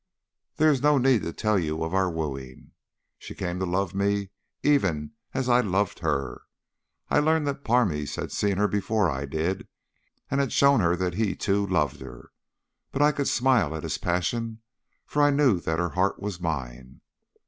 "There is no need to tell you of our wooing. She came to love me even as I loved her. I learned that Parmes had seen her before I did, and had shown her that he too loved her, but I could smile at his passion, for I knew that her heart was mine.